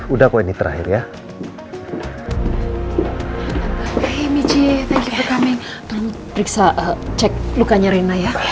udah kok ini terakhir ya hai michi terima kasih telah datang periksa cek lukanya rina ya